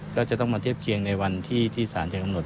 ก็จะต้องมาเทียบเชียงในวันที่องค์ที่สาเหตุทางคำหนด